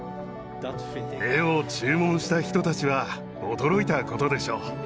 絵を注文した人たちは驚いたことでしょう。